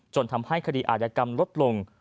ทำให้คดีอาจยกรรมลดลง